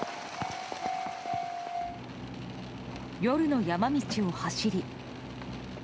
夜の山道を走り。